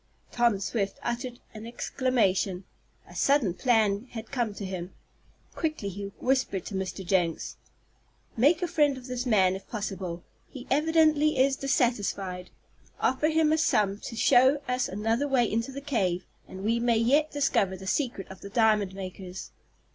Tom Swift uttered an exclamation. A sudden plan had come to him. Quickly he whispered to Mr. Jenks: "Make a friend of this man if possible. He evidently is dissatisfied. Offer him a sum to show us another way into the cave, and we may yet discover the secret of the diamond makers."